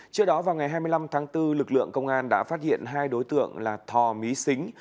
trước đó vào ngày hai mươi năm tháng bốn lực lượng công an đã phát hiện hai đối tượng là thò mí xính